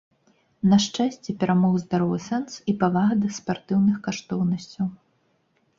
На шчасце, перамог здаровы сэнс і павага да спартыўных каштоўнасцяў.